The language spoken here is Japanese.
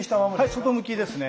外向きですね。